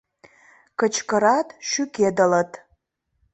Кычкырат, шӱкедылыт.